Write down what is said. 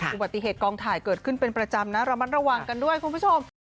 อุบัติเหตุกองถ่ายเกิดขึ้นเป็นประจำนะระมัดระวังกันด้วยคุณผู้ชม